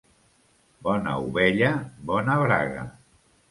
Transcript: Bona ovella, bona braga.